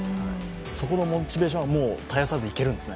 そこのモチベーションは絶やさずいけるんですね。